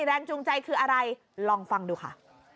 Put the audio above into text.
แรงจูงใจคืออะไรลองฟังดูค่ะ